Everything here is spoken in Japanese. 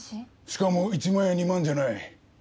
しかも１万や２万じゃない。